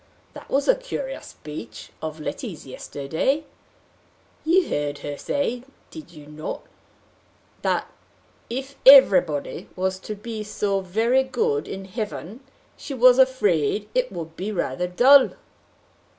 "That was a curious speech of Letty's yesterday! You heard her say, did you not, that, if everybody was to be so very good in heaven, she was afraid it would be rather dull?"